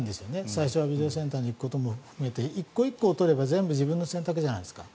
最初ビデオセンターに行くことも含めて１個１個取ったら全部自分の選択じゃないですか。